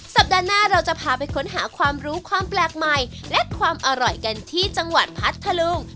สัปดาห์หน้าเราจะพาไปค้นหาความรู้ความแปลกใหม่และความอร่อยกันที่จังหวัดพัทธลุง